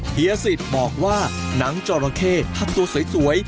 เฮียสิตบอกว่าหนังจอโรเคถ้าตัวสวย